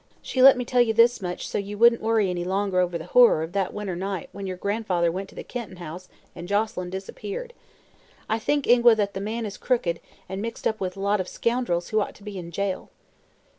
She let me tell you this much, so that you wouldn't worry any longer over the horror of that winter night when your grandfather went to the Kenton house and Joselyn disappeared. I think, Ingua, that the man is crooked, and mixed up with a lot of scoundrels who ought to be in jail."